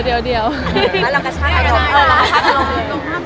อะไรครับ